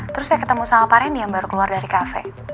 terus saya ketemu sama pak reni yang baru keluar dari kafe